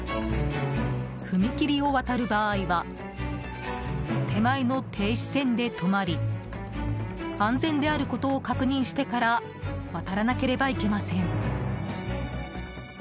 踏切を渡る場合は手前の停止線で止まり安全であることを確認してから渡らなければいけません。